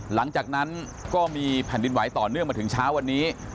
หลังจากนั้นก็มีแผ่นดินไหวต่อเนื่องมาถึงเช้าวันนี้